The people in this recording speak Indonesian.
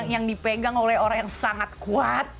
yang dipegang oleh orang yang sangat kuat